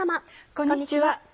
こんにちは。